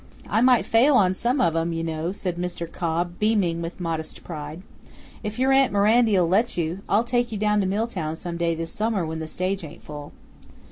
"I might fail on some of 'em, you know," said Mr. Cobb, beaming with modest pride. "If your aunt Mirandy'll let you, I'll take you down to Milltown some day this summer when the stage ain't full."